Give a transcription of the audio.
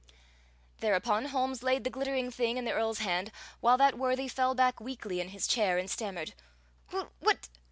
Thereupon Holmes laid the glittering thing in the Earl's hand, while that worthy fell back weakly in his chair and stammered: "What?